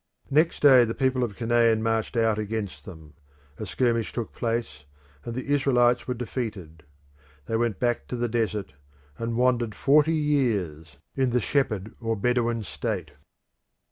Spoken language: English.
Next day the people of Canaan marched out against them: a skirmish took place and the Israelites were defeated. They went back to the desert, and wandered forty years in the shepherd or Bedouin state.